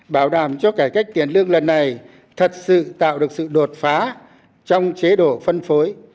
bảo đảm cho cải cách tiền lương lần này thật sự tạo được sự đột phá trong chế độ phân phối